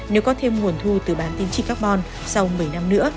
nếu có thêm nguồn thu từ bán tiến trị carbon sau một mươi năm nữa